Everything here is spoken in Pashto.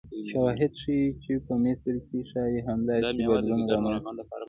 شواهد ښیي چې په مصر کې ښایي همداسې بدلون رامنځته شي.